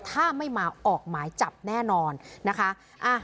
ถ้าไม่มาออกหมายจับแน่นอนนะคะ